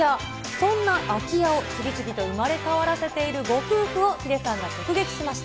そんな空き家を次々と生まれ変わらせているご夫婦を、ヒデさんが直撃しました。